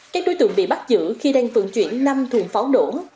các đối tượng bị bắt giữ khi đang phận chuyển năm thùng pháo nổ